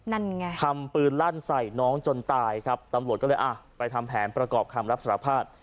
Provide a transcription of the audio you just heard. นั่นไงทำปืนลั่นใส่น้องจนตายครับตำรวจก็เลยอ่ะไปทำแผนประกอบคำรับสารภาพ